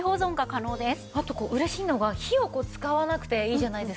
あとこう嬉しいのが火を使わなくていいじゃないですか。